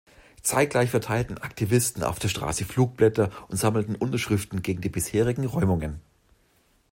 Zeitgleich verteilten Aktivisten auf der Straße Flugblätter und sammelten Unterschriften gegen die bisherigen Räumungen.